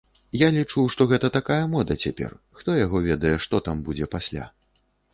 Я лічу, што гэта такая мода цяпер, хто яго ведае, што там будзе пасля.